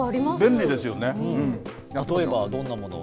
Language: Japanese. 例えば、どんなもの。